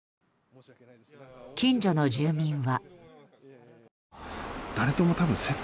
近所の住民は。